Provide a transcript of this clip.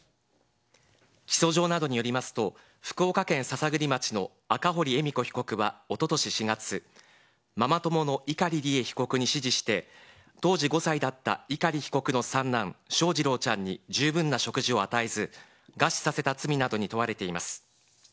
起訴状などによりますと、福岡県篠栗町の赤堀恵美子被告はおととし４月、ママ友の碇利恵被告に指示して、当時５歳だった碇被告の三男、翔士郎ちゃんに十分な食事を与えず、餓死させた罪などに問われています。